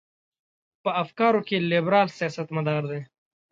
په افکارو کې لیبرال سیاستمدار دی.